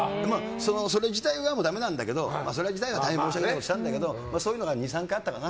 それ自体はダメなんだけど大変申し訳ないことしたんだけどそういうのが２３回あったかな。